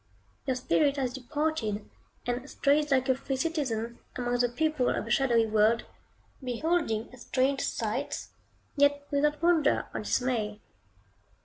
Your spirit has departed, and strays like a free citizen, among the people of a shadowy world, beholding strange sights, yet without wonder or dismay.